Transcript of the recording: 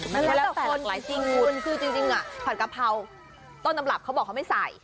มันแล้วแต่หลักหลายจริงคือจริงผัดกะเพราต้นดำหลับเขาบอกเขาไม่ใส่